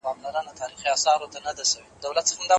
ماشوم د نیا په اوږه خپل سر په مینه کېښود.